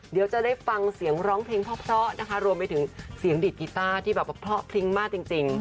เดี๋ยวจะได้ฟังเสียงร้องเพลงเพราะนะคะรวมไปถึงเสียงดีดกีต้าที่แบบว่าเพราะพริ้งมากจริง